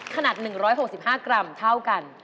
ขนาด๑๖๕กรัมเท่ากัน